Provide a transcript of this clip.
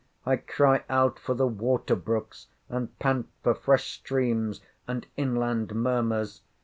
I cry out for the water brooks, and pant for fresh streams, and inland murmurs.